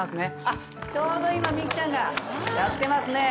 あっちょうど今ミキちゃんがやってますね。